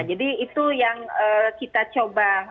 nah jadi itu yang kita coba